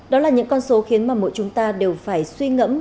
đó là những con số khiến mà mỗi chúng ta đều phải suy ngẫm